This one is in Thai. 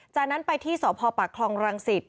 จากนั้นไปที่สพปากคลองรังสิต